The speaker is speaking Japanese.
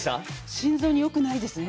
心臓によくないですね。